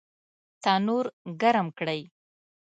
تنور ګرم کړئ